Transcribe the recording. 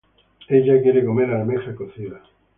Ella quiere comer almeja cocida.